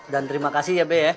dan terima kasih ya be ya